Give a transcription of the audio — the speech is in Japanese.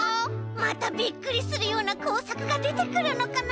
またびっくりするようなこうさくがでてくるのかな？